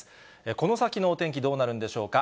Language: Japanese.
この先のお天気、どうなるんでしょうか。